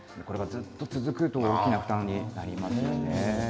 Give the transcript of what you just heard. これがずっと続くと大きな負担になりますよね。